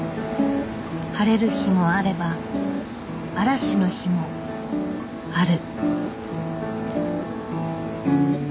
晴れる日もあれば嵐の日もある。